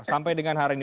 sampai dengan hari ini